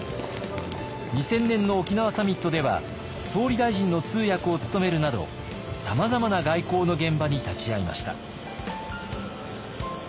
２０００年の沖縄サミットでは総理大臣の通訳を務めるなどさまざまな外交の現場に立ち会いました。